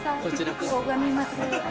拝みます。